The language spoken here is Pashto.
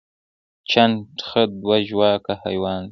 چنډخه دوه ژواکه حیوان دی